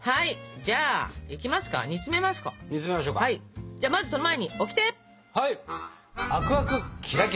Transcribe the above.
じゃあまずその前にオキテ！